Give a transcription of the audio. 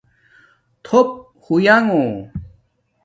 تھوپ ہوینݣہ